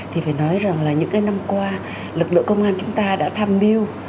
thì phải nói rằng là những cái năm qua lực lượng công an chúng ta đã tham mưu